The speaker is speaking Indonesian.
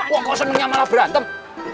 kok senangnya malah berantem